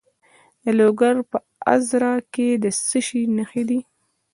د لوګر په ازره کې د څه شي نښې دي؟